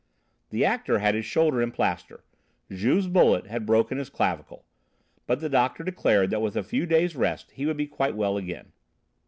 The actor had his shoulder in plaster Juve's bullet had broken his clavicle, but the doctor declared that with a few days' rest he would be quite well again.